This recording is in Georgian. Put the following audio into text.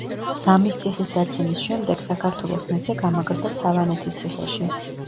ძამის ციხის დაცემის შემდეგ საქართველოს მეფე გამაგრდა სავანეთის ციხეში.